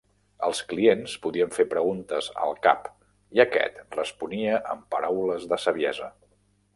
Els clients podien fer preguntes al cap i aquest responia amb paraules de saviesa.